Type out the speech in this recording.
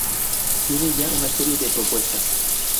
tiene ya una serie de propuestas